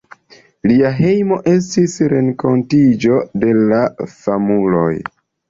Lia hejmo estis renkontiĝo de famuloj.